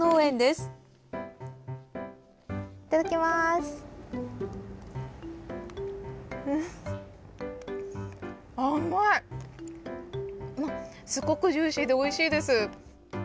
すごくジューシーでおいしいです。